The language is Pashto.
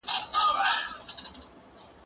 زه پرون لوبه وکړه،